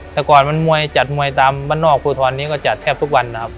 แต่ก่อนมันมวยจัดมวยตามบ้านนอกภูทรนี้ก็จัดแทบทุกวันนะครับ